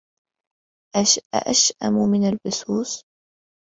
أشأم من البسوس